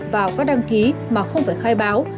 vào các đăng ký mà không phải khai báo